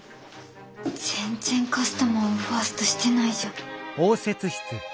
全然カスタマーをファーストしてないじゃん。